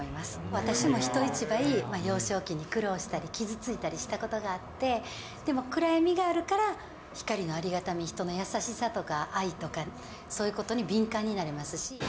私も人一倍、幼少期に苦労したり、傷ついたりしたことがあって、でも暗闇があるから、光のありがたみ、人の優しさとか、愛とか、そういうことに敏感になれますし。